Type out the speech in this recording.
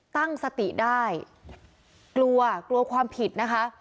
ตั้งสติได้กลัวกลัวความผิดนะคะ